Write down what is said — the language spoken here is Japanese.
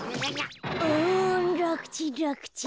うんらくちんらくちん。